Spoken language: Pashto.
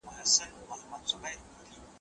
کومو ډلو د هېواد تاریخ زیات تحریف کړی دی؟